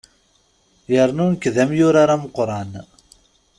Yerna nekk d amyurar ameqqran.